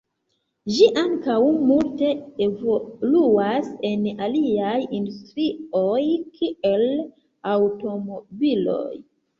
Ĝi ankaŭ multe evoluas en aliaj industrioj kiel aŭtomobiloj.